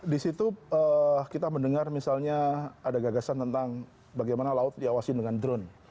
jadi disitu kita mendengar misalnya ada gagasan tentang bagaimana laut diawasin dengan drone